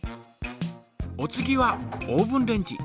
お次はオーブンレンジ。